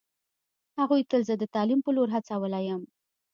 هغوی تل زه د تعلیم په لور هڅولی یم